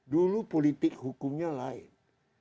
dulu politik hukumnya lain